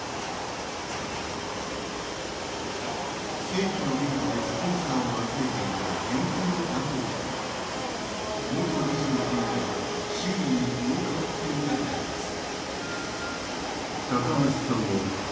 正規のルートでスポンサーを集めていた電通の担当者は元理事について周囲にこう語っていたといいます。